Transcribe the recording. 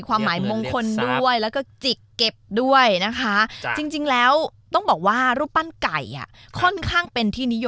ก็คือในจริงละเนี่ย